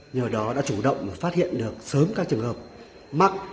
nhờ đó đã chủ động phát hiện được sớm các trường hợp mắc